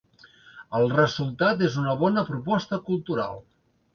El resultat és una bona proposta cultural.